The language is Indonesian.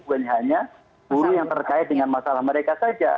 bukan hanya buruh yang terkait dengan masalah mereka saja